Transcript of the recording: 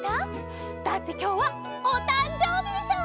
だってきょうはおたんじょうびでしょ！